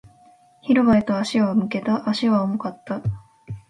広場へと足を向けた。足は重かった。